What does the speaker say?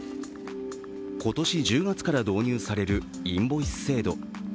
今年１０月から導入されるインボイス制度。